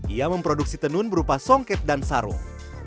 ia memproduksi tenun berupa songket dan sarung